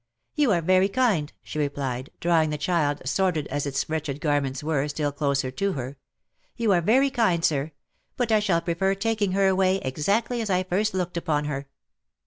" You are very kind," she replied, drawing the child, sordid as its wretched garments were, still closer to her, " you are very kind, sir. But I shall prefer taking her away, exactly as I first looked upon her."